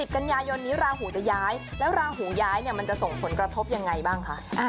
กันยายนนี้ราหูจะย้ายแล้วราหูย้ายเนี่ยมันจะส่งผลกระทบยังไงบ้างคะ